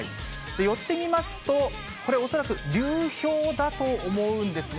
寄ってみますと、これ、恐らく流氷だと思うんですね。